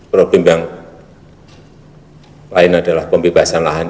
problem yang lain adalah pembebasan lahan